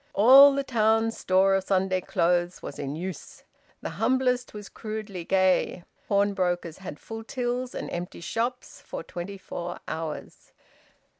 All the town's store of Sunday clothes was in use. The humblest was crudely gay. Pawnbrokers had full tills and empty shops, for twenty four hours.